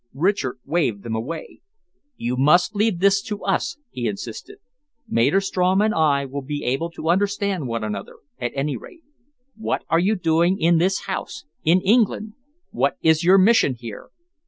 Richard waved them away. "You must leave this to us," he insisted. "Maderstrom and I will be able to understand one another, at any rate. What are you doing in this house in England? What is your mission here?"